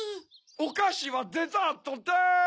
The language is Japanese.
おかしはデザートです。